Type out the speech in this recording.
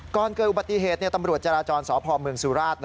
ก่อนเกิดอุบัติเหตุตำรวจจราจรสพเมืองสุราช